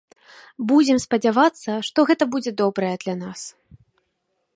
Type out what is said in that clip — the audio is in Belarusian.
Будзем спадзявацца, што гэта будзе добрае для нас.